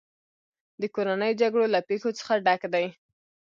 د کورنیو جګړو له پېښو څخه ډک دی.